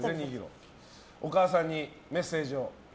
お母さんにメッセージを。